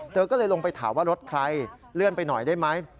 เธอก็เลยลงไปถามว่ารถใครเลื่อนไปหน่อยได้ไหม